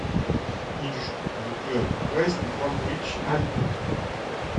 Il joue pour le club de West Bromwich Albion.